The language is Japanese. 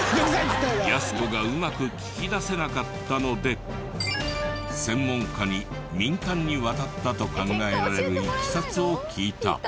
やす子がうまく聞き出せなかったので専門家に民間に渡ったと考えられるいきさつを聞いた。